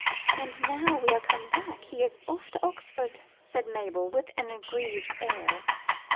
"And now we are come back, he is off to Oxford," said Mabel with an aggrieved air.